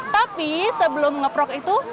tapi sebelum ngeprok itu